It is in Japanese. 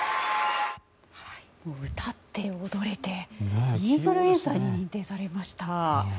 歌って踊れてインフルエンサーに認定されました。